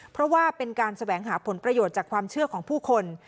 เพราะว่าเป็นการแสวงหาผลประโยชน์จากความเชื่อของผู้คน